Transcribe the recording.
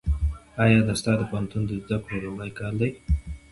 ایا دا ستا د پوهنتون د زده کړو لومړنی کال دی؟